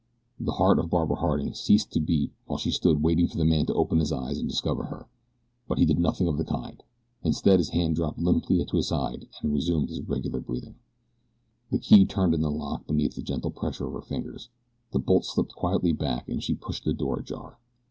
The heart of Barbara Harding ceased to beat while she stood waiting for the man to open his eyes and discover her; but he did nothing of the kind. Instead his hand dropped limply at his side and he resumed his regular breathing. The key turned in the lock beneath the gentle pressure of her fingers, the bolt slipped quietly back and she pushed the door ajar.